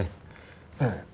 ええ。